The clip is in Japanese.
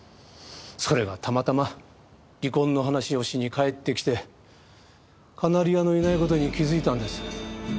それがたまたま離婚の話をしに帰ってきてカナリアのいない事に気づいたんです。